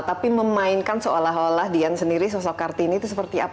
tapi memainkan seolah olah dian sendiri sosok kartini itu seperti apa